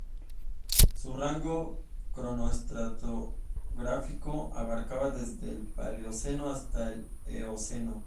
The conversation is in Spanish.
Su rango cronoestratigráfico abarcaba desde el Paleoceno hasta el Eoceno.